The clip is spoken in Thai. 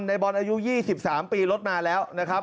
ในบอลอายุ๒๓ปีรถมาแล้วนะครับ